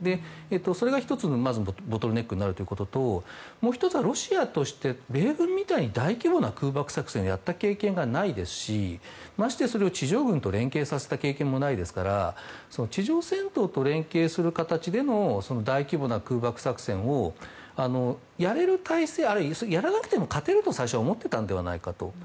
それが１つのボトルネックになるということともう１つはロシアとして米軍みたいに大規模な空爆作戦をやったことがないですしまして地上軍と連係させた経験もありませんから地上戦闘と連係する形での大規模な空爆作戦をやれる体制やらなくても最初は勝てるのではないかと思っていたのではと。